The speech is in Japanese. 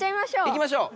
いきましょう。